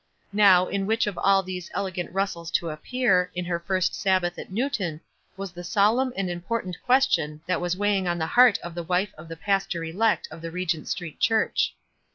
Now, in which of all these elegant rustles to appear, on her WISE AND OTHERWISE. 15 first Sabbath in Newton, was the solemn and Im portant question that was weighing on the heart of the wife of the pastor elect of the Regent Street Church.